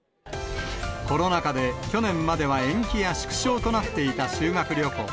コロナ禍で、去年までは延期や縮小となっていた修学旅行。